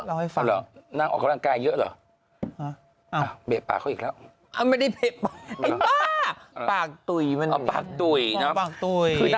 เคยนั่งกินอาหารอยู่ในร้านอาหาร